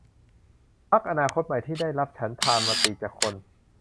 พรรคอนาคคใหม่ ที่ได้รับฉันทามติจากคน